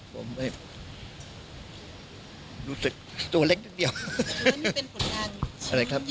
คือว่ามีเป็นปฏิกาลของทุกคนครับ